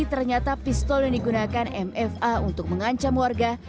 ternyata pistol yang digunakan mfa untuk mengancam warga